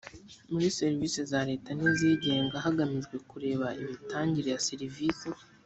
muri serivisi za leta n izigenga hagamijwe kureba imitangire ya serivisi